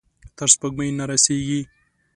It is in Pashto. تر سپوږمۍ نه رسیږې